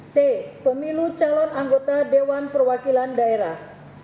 c pemilu calon anggota dewan perwakilan daerah